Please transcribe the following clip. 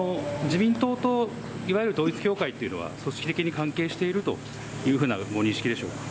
自民党と、いわゆる統一教会というのは、組織的に関係しているというふうなご認識でしょうか。